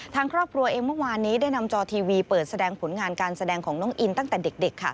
ทางครอบครัวเองเมื่อวานนี้ได้นำจอทีวีเปิดแสดงผลงานการแสดงของน้องอินตั้งแต่เด็ก